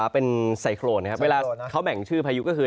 เป็นไซโครนนะครับเวลาเขาแบ่งชื่อพายุก็คือ